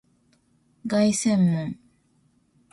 凱旋門